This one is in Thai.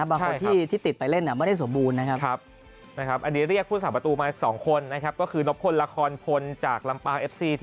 บางคนที่ติดไปเล่นไม่ได้สมบูรณ์นะครับ